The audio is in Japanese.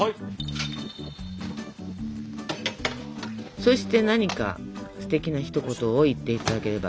そして何かすてきなひと言を言っていただければ。